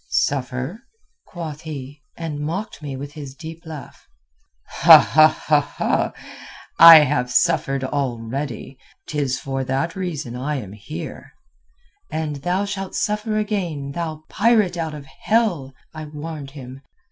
"'Suffer?' quoth he, and mocked me with his deep laugh. 'I have suffered already. 'Tis for that reason I am here.' "'And thou shalt suffer again, thou pirate out of hell!' I warned him.